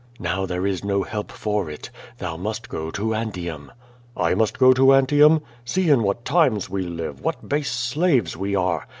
Now there is no help for it. Thou must go to Antium." "I must go to Antium? See in what times we live, what base slaves we are!"